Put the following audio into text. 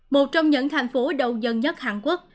một trong những thành phố đông dân nhất hàn quốc